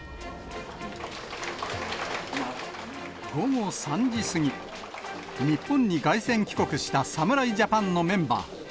午後３時過ぎ、日本に凱旋帰国した侍ジャパンのメンバー。